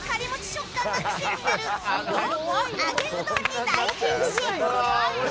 食感が癖になる洋風揚げうどんに大変身。